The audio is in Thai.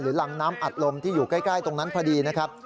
รังน้ำอัดลมที่อยู่ใกล้ตรงนั้นพอดีนะครับ